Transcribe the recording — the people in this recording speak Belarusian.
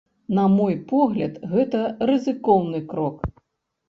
На мой погляд, гэта рызыкоўны крок.